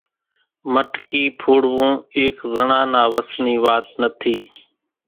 مٽڪي ڦوڙوون ايڪ زڻا نا وس ني وات نٿي